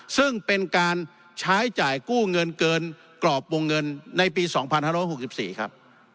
ซึ่งเป็นการใช้จ่ายกู้เงินเกินกรอบวงเงินในปี๒๕๖๔ครับ